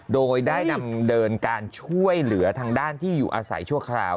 โดยได้นำเดินการช่วยเหลือทางด้านที่อยู่อาศัยชั่วคราว